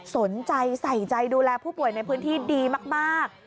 สนใจใส่ใจดูแลผู้ป่วยในพื้นที่ดีมาก